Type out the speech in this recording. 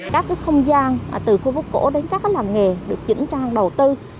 các cái không gian từ khu vực cổ đến các cái làm nghề được chỉnh trang đầu tư